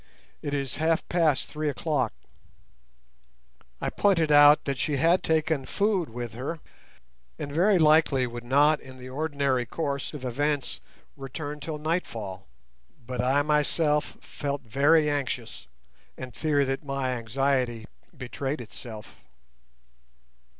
It is half past three o'clock." I pointed out that she had taken food with her, and very likely would not in the ordinary course of events return till nightfall; but I myself felt very anxious, and fear that my anxiety betrayed itself.